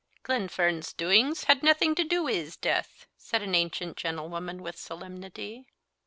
"Glenfern's doings had naething to du wi' his death," said an ancient gentlewoman with solemnity.